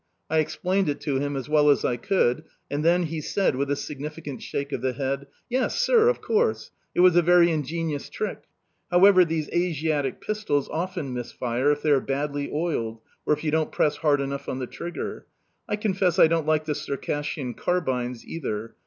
I explained it to him as well as I could, and then he said, with a significant shake of the head: "Yes, sir, of course! It was a very ingenious trick! However, these Asiatic pistols often miss fire if they are badly oiled or if you don't press hard enough on the trigger. I confess I don't like the Circassian carbines either.